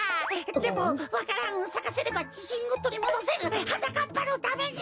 でもわか蘭をさかせればじしんをとりもどせるはなかっぱのために！